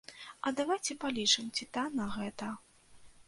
А давайце палічым, ці танна гэта?